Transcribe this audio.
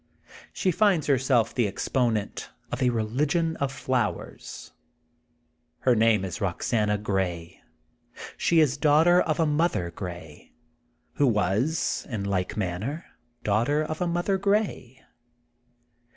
She finds herself the exponent of a religion of flowers. Her name is Boxana Grey. She is daughter of a Mother Grey,'' who was in like manner daughter of a Mother Grey.''